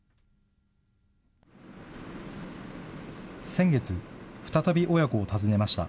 先月、再び親子を訪ねました。